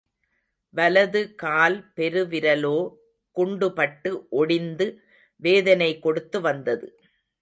வலது கால் பெருவிரலோ குண்டுபட்டு ஒடிந்து வேதனை கொடுத்து வந்தது.